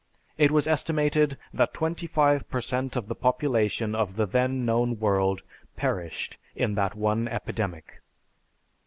It was estimated that twenty five per cent. of the population of the then known world perished in that one epidemic.